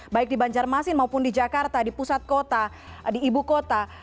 baik di banjarmasin maupun di jakarta di pusat kota di ibu kota